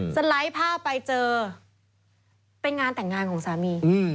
สไลด์ภาพไปเจอเป็นงานแต่งงานของสามี